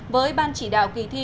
với ban chỉ đạo kỳ thi